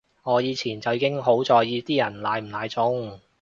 我以前就已經好在意啲人奶唔奶中